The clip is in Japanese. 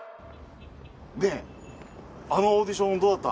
ねぇあのオーディションどうだった？